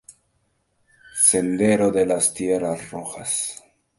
Sendero de las tierras rojas.